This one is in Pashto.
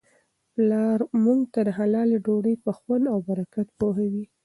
پلارموږ ته د حلالې ډوډی په خوند او برکت پوهوي.